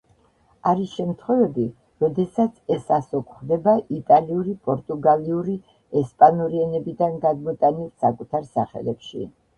არის შემთხვევები როდესაც ეს ასო გვხვდება იტალიური, პორტუგალიური, ესპანური ენებიდან გადმოტანილ საკუთარ სახელებში.